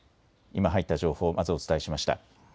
今入った情報、まずお伝えしました。